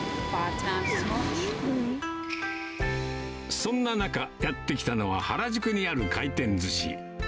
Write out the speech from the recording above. そんな中、やって来たのは、原宿にある回転ずし。